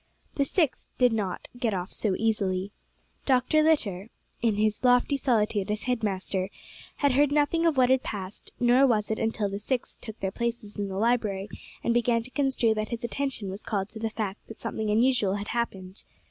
The Sixth did not get off so easily. Dr. Litter, in his lofty solitude as head master, had heard nothing of what had passed; nor was it until the Sixth took their places in the library and began to construe that his attention was called to the fact that something unusual had happened.